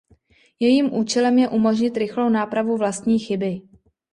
Jejím účelem je umožnit rychlou nápravu vlastní chyby.